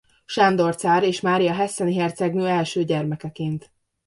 Sándor cár és Mária hesseni hercegnő első gyermekeként.